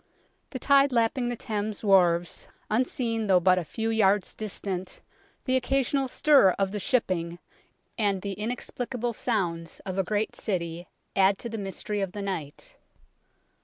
The tide lapping the Thames wharves, unseen though but a few yards distant, the occasional stir of the shipping, and the inexplicable sounds of a great city add to the mystery of the night.